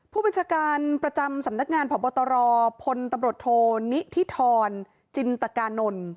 ผู้บัญชาการประจำสำนักงานพบตรพลตำรวจโทนิธิธรจินตกานนท์